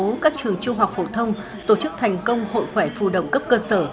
thành phố các trường trung học phổ thông tổ chức thành công hội khỏe phụ đồng cấp cơ sở